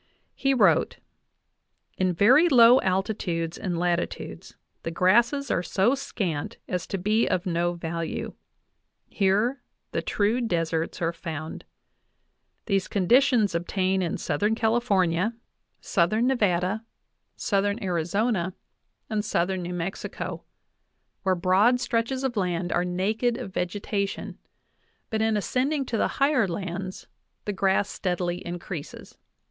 He wrote: "In very low altitudes and latitudes the grasses are so scant as to be of no value ; here the true deserts are found. These conditions obtain in southern California, 42 JOHN \VKS1.1 V POWKlvL DAVIS southern Nevada, southern Arizona, and southern New Mex ico, where broad stretches of land are naked of vegetation; but in ascending to the higher lands the grass steadily m creases" (20).